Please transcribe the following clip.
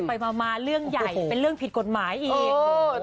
ไปมาเรื่องใหญ่เป็นเรื่องผิดกฎหมายอีก